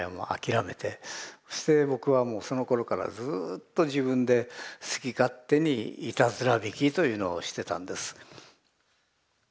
そして僕はもうそのころからずっと自分で好き勝手にいたずら弾きというのをしてたんです。